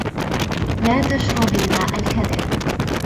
لَا تَشْرَبْ الْمَاءَ الْكَدِرَ.